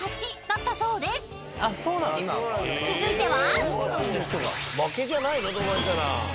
［続いては］